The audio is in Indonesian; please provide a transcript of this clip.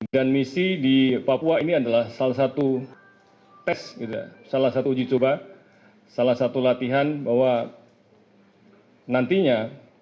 dan misi di papua ini adalah salah satu tes salah satu uji coba salah satu latihan bahwa nantinya